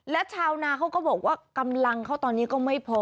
และชาวนาเขาก็บอกว่ากำลังเขาตอนนี้ก็ไม่พอ